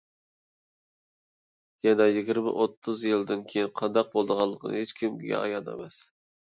يەنە يىگىرمە-ئوتتۇز يىلدىن كېيىن قانداق بولىدىغانلىقى ھېچ كىمگە ئايان ئەمەس.